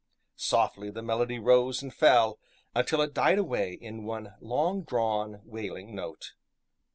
Softly the melody rose and fell, until it died away in one long drawn, wailing note.